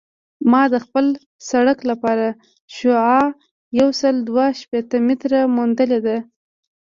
ما د خپل سرک لپاره شعاع یوسل دوه شپیته متره موندلې ده